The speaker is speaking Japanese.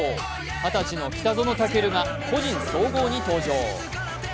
二十歳の北園丈琉が個人総合に登場。